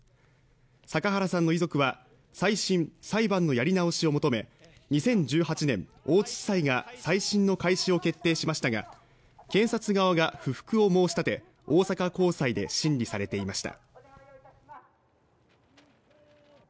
阪原さんの遺族は、再審裁判のやり直しを求め、２０１８年大津地裁が再審の開始を決定しましたが、検察側が不服を申し立て大阪高裁で審理されていました。